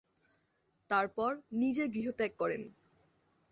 তারপর নিজে গৃহত্যাগ করেন।